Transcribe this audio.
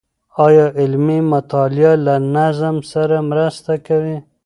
آيا علمي مطالعه له نظم سره مرسته کوي؟